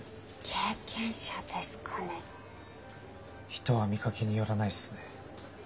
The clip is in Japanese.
人は見かけによらないっすね。